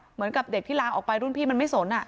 เหมือนกับเด็กที่ลาออกไปรุ่นพี่มันไม่สน